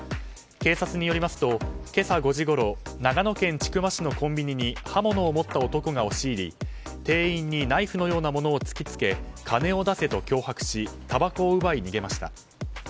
警察によりますと、今朝５時ごろ長野県千曲市のコンビニに刃物を持った男が押し入り店員にナイフのようなものを突きつけ金を出せと脅迫したばこを奪い、逃げました。